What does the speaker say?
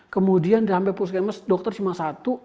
kemudian sampai puskesmas dokter cuma satu